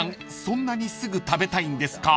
そんなにすぐ食べたいんですか？］